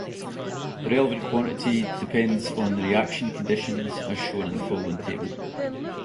The relevant quantity depends on the reaction conditions, as shown in the following table.